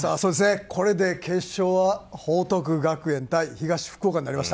これで、決勝は報徳学園対東福岡になりました。